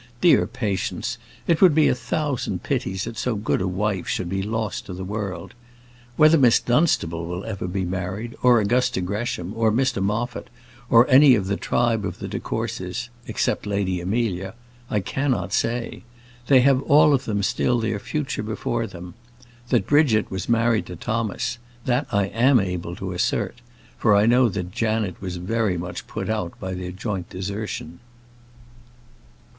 Dear Patience! it would be a thousand pities that so good a wife should be lost to the world. Whether Miss Dunstable will ever be married, or Augusta Gresham, or Mr Moffat, or any of the tribe of the de Courcys except Lady Amelia I cannot say. They have all of them still their future before them. That Bridget was married to Thomas that I am able to assert; for I know that Janet was much put out by their joint desertion.